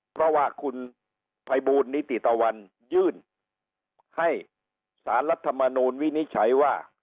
เพราะว่าคุณภัยบูลนิติตะวันยื่นให้สารรัฐมนูลวินิจฉัยว่า